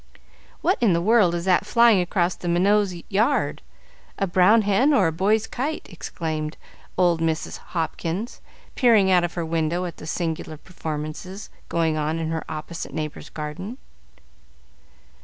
"What in the world is that flying across the Minots' yard, a brown hen or a boy's kite?" exclaimed old Miss Hopkins, peering out of her window at the singular performances going on in her opposite neighbor's garden.